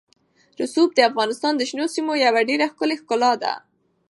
رسوب د افغانستان د شنو سیمو یوه ډېره ښکلې ښکلا ده.